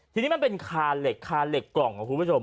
ทีนี้มันเป็นคาเหล็กคาเหล็กกล่องครับคุณผู้ชม